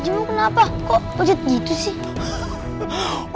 om jimbo kenapa kok pucat gitu sih